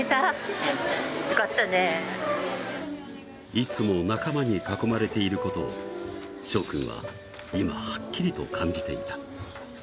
いつも仲間に囲まれていることをしょう君は今はっきりと感じていた。